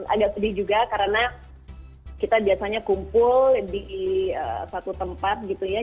agak sedih juga karena kita biasanya kumpul di satu tempat gitu ya